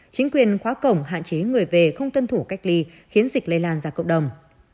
chính quyền khóa cổng hạn chế người về không tuân thủ cách ly khiến dịch lây lan ra cộng đồng